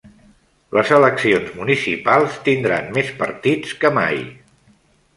Les eleccions municipals tindran més partits que mai